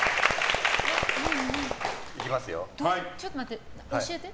ちょっと待って、教えて。